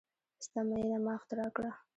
ستا میینه ما اختراع کړه